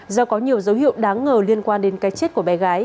do có nhiều dấu hiệu đáng ngờ liên quan đến cái chết của bé gái